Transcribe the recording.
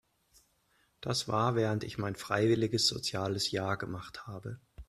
Das war während ich mein freiwilliges soziales Jahr gemacht habe.